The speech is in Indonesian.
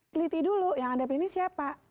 peliti dulu yang anda pilih ini siapa